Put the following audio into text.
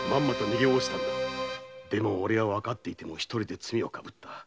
でも俺はわかっていても一人で罪を被った。